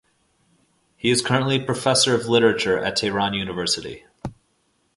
He is currently professor of literature at Tehran University.